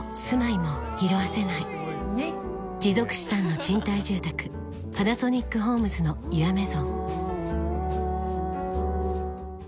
持続資産の賃貸住宅「パナソニックホームズのユアメゾン」